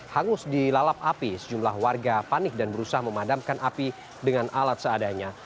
hangus dilalap api sejumlah warga panik dan berusaha memadamkan api dengan alat seadanya